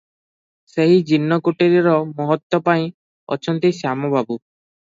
ସେହି ଜୀର୍ଣ୍ଣ କୁଟୀରର ମହତ୍ତ୍ୱ ପାଇ ଅଛନ୍ତି ଶ୍ୟାମ ବାବୁ ।